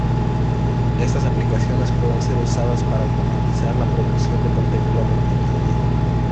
Estas aplicaciones pueden ser usadas para automatizar la producción de contenido multimedia.